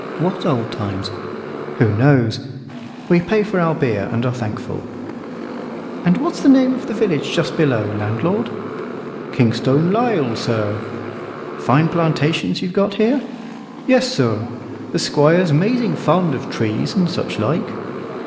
What old times? Who knows? We pay for our beer, and are thankful. "And what's the name of the village just below, landlord?" "Kingstone Lisle, sir." "Fine plantations you've got here?" "Yes, sir; the Squire's 'mazing fond of trees and such like."